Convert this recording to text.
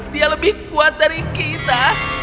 dia lebih kuat dari kita